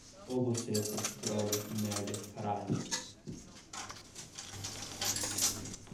O buceta, que droga, que merda, que caralho